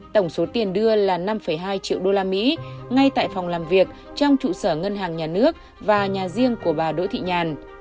tổng số tiền đưa là năm hai triệu usd ngay tại phòng làm việc trong trụ sở ngân hàng nhà nước và nhà riêng của bà đỗ thị nhàn